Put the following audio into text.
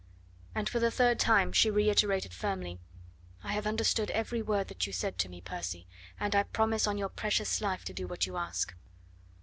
And for the third time she reiterated firmly: "I have understood every word that you said to me, Percy, and I promise on your precious life to do what you ask."